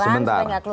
supaya tidak keluar